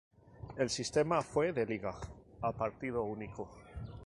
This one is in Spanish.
El sistema fue de liga, a partido único.